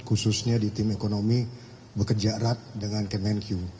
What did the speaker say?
khususnya di tim ekonomi bekerja erat dengan kemenkyu